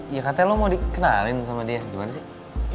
ya katanya lo mau dikenalin sama dia gimana sih